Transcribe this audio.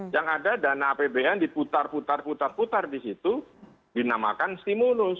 yang ada dana apbn diputar putar putar putar di situ dinamakan stimulus